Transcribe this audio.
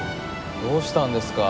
どうしたんですか？